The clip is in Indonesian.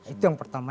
itu yang pertama